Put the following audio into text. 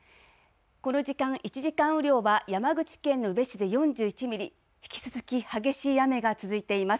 この時間１時間雨量は山口県の宇部市で４１ミリ引き続き激しい雨が続いています。